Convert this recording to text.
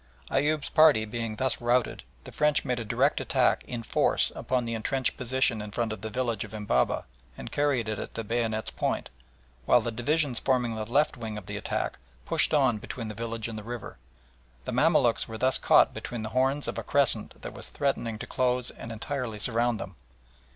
Eyoub's party being thus routed, the French made a direct attack in force upon the entrenched position in front of the village of Embabeh and carried it at the bayonet's point, while the divisions forming the left wing of the attack pushed on between the village and the river. The Mamaluks were thus caught between the horns of a crescent that was threatening to close and entirely surround them.